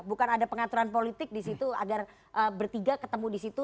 bukan ada pengaturan politik disitu agar bertiga ketemu disitu